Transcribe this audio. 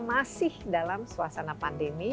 masih dalam suasana pandemi